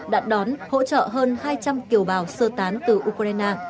đã đón hỗ trợ hơn hai trăm linh kiều bào sơ tán từ ukraine